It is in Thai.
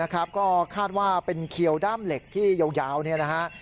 ก็คาดว่าเป็นเขียวด้ามเหล็กที่ยาวเนี่ยนะฮะ